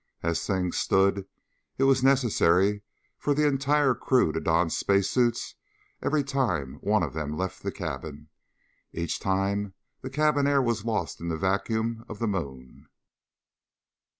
As things stood, it was necessary for the entire crew to don spacesuits every time one of them left the cabin. Each time the cabin air was lost in the vacuum of the moon.